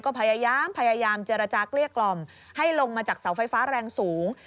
ก็พยายามพยายามเจรจาเกลี้ยกล่อมให้ลงมาจากเสาไฟฟ้าแรงสูง